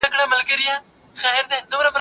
o چي ئې زده کړي پر پېکي، هېر به ئې نه سي پر نگښي.